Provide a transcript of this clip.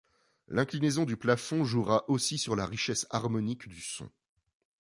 L’inclinaison du plafond jouera aussi sur la richesse harmonique du son.